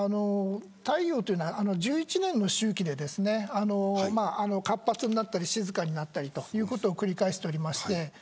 太陽というのは１１年の周期で活発になったり静かになったりを繰り返しておりまして。